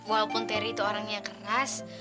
walaupun teri itu orangnya keras